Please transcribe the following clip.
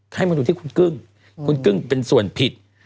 ให้มาดูที่คุณกึ้งคุณกึ้งเป็นส่วนผิด